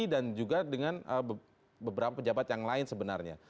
dan juga dengan beberapa pejabat yang lain sebenarnya